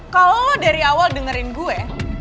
kalo lo dari awal dengerin gue